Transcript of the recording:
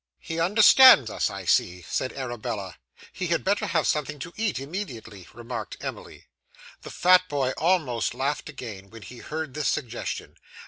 'He understands us, I see,' said Arabella. 'He had better have something to eat, immediately,' remarked Emily. The fat boy almost laughed again when he heard this suggestion.